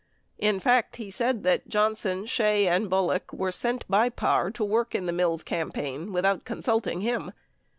40 In fact, he said that Johnson, Shea and Bullock were sent by Parr to work in the Mills campaign without consulting him.